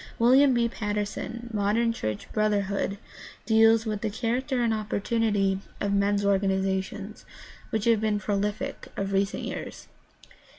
WiUiam B . Patterson, Modern Church Brotherhoods (New York: Revell, 191 1), deals with the character and opportunity of men's organizations, which have been prolific of recent years.